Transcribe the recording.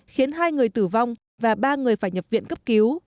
khiến hai người tử vong và ba người phải nhập viện cấp cứu